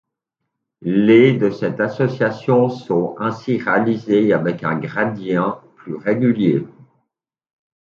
Les de cette ascension sont ainsi réalisés avec un gradient plus régulier.